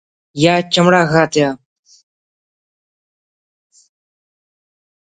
یا چمڑہ غاتیا